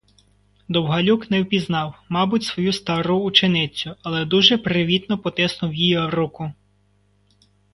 Довгалюк не впізнав, мабуть, свою стару ученицю, але дуже привітно потиснув їй руку.